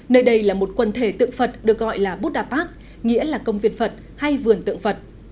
nơi đây là một quần thể tượng vật được gọi là budapark nghĩa là công viên vật hay vườn tượng vật